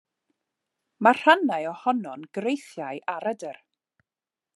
Mae rhannau ohono'n greithiau aradr.